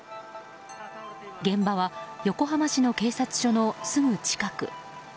現場は横浜市の警察署のすぐ近く。